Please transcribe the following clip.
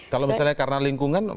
kalau misalnya karena lingkungan